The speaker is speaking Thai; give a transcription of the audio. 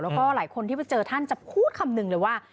แล้วก็หลายคนที่ไปเจอท่านจะพูดคำหนึ่งเลยว่า